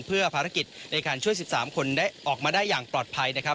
เพื่อภารกิจในการช่วย๑๓คนได้ออกมาได้อย่างปลอดภัยนะครับ